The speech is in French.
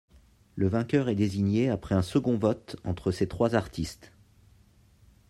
Le vainqueur est désigné après un second vote entre ces trois artistes.